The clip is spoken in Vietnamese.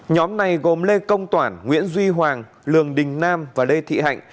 nhóm này gồm lê công toản nguyễn duy hoàng lường đình nam và lê thị hạnh